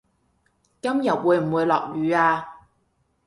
今日會唔會落雨呀